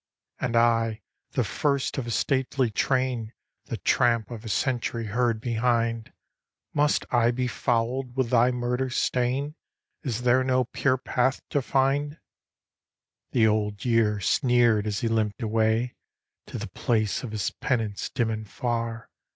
" And I, the first of a stately train, The tramp of a century heard behind, Must I be fouled with thy murder stain? Is there no pure path to find? " The Old Year sneered as he limped away To the place of his penance dim and far.